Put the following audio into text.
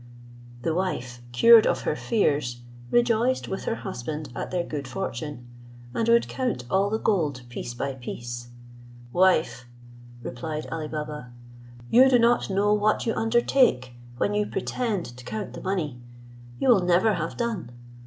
The wife, cured of her fears, rejoiced with her husband at their good fortune, and would count all the gold, piece by piece. "Wife," replied Ali Baba, "you do not know what you undertake, when you pretend to count the money; you will never have done.